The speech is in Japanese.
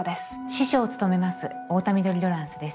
司書を務めます太田緑ロランスです。